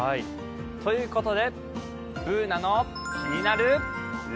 ということで、「ＢｏｏｎａのキニナルＬＩＦＥ」。